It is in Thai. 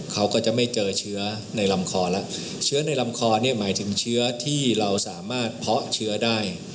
เขาก็จะไม่เจอเชื้อในลำคอแล้วเชื้อในลำคอเนี่ยหมายถึงเชื้อที่เราสามารถเพาะเชื้อได้